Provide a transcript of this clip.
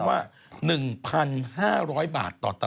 อ่ะ๑๕๐๐บาท